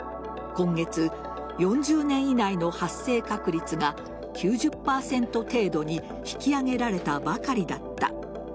今月、４０年以内の発生確率が９０％程度に引き上げられたばかりだった。